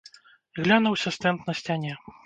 Глянуўся стэнд на сцяне.